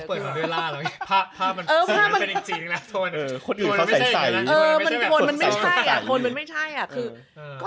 พอปล่อยคอมเวลาแล้วอิฟท์ภาพมันหยุดไปจริงแหละ